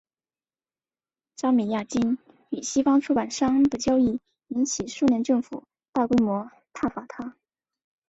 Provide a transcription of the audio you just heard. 扎米亚京与西方出版商的交易引起苏联政府大规模挞伐他。